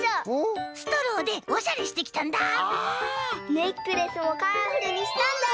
ネックレスもカラフルにしたんだよ！